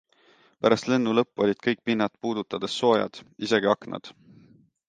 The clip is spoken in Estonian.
Pärast lennu lõppu olid kõik pinnad puudutades soojad, isegi aknad.